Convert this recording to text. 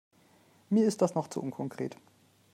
Mir ist das noch zu unkonkret.